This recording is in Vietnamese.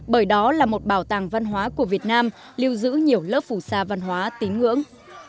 bởi đó là một bảo tàng văn hóa của việt nam lưu giữ nhiều lớp phù sa văn hóa tín ngưỡng